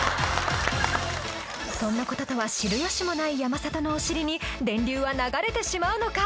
そんなこととは知る由もない山里のお尻に電流は流れてしまうのか？